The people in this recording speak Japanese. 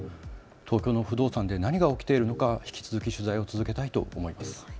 東京の不動産で何が起きているのか引き続き取材を続けたいと思います。